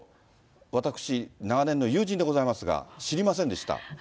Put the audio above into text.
私、長年の友人でございますが、知りませんでした。